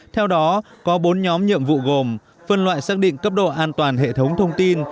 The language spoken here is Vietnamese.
theo đó có bốn nhóm nhiệm vụ gồm phân loại xác định cấp độ an toàn hệ thống thông tin